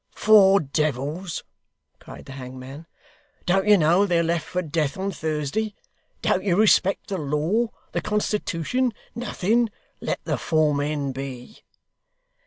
'Four devils!' cried the hangman. 'Don't you know they're left for death on Thursday? Don't you respect the law the constitootion nothing? Let the four men be.